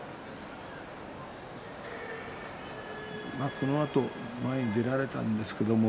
このあと前に出られたんですけれど